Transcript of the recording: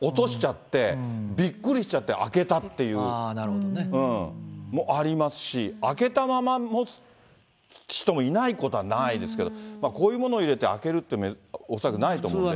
落としちゃってびっくりしちゃって開けたっていうことももありますし、開けたまま持つ人もいないこともないですけど、こういうもの入れて開けるって恐らくないと思うんで。